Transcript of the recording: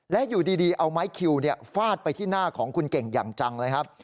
และอยู่ดีเอาไม้คิวฟาดไปที่หน้าของคุณเก่งอย่างจังเลยครับ